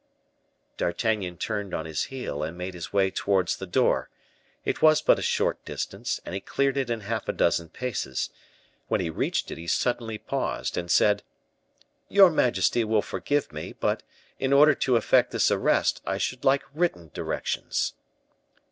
D'Artagnan turned on his heel, and made his way towards the door; it was but a short distance, and he cleared it in half a dozen paces; when he reached it he suddenly paused, and said, "Your majesty will forgive me, but, in order to effect this arrest, I should like written directions."